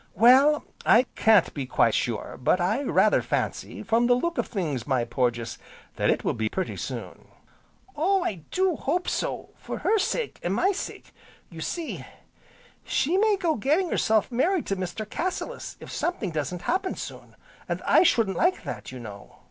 "Well, I can't be quite sure, but I rather fancy, from the look of things, my Porges, that it will be pretty soon." "Oh, I do hope so! for her sake, an' my sake. You see, she may go getting herself married to Mr. Cassilis, if something doesn't happen soon, an' I shouldn't like that, you know."